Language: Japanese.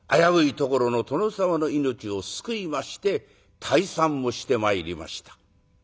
ところの殿様の命を救いまして退散をしてまいりました。